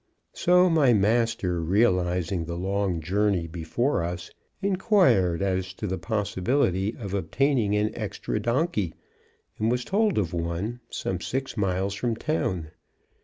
So my master, realizing the long journey before us, inquired as to the possibility of obtaining an extra donkey, and was told of one, some six miles from town.